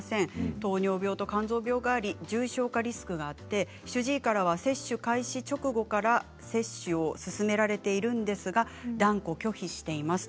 糖尿病と肝臓病があり重症化リスクがあって主治医から接種開始直後から接種を勧められているんですが断固拒否しています。